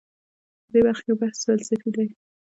په دې برخه کې بحث فلسفي دی.